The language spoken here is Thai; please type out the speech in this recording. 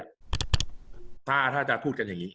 กับการสตรีมเมอร์หรือการทำอะไรอย่างเงี้ย